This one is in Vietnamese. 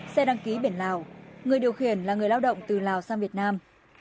xe đăng ký biển lào người điều khiển là người lao động từ lào sang việt nam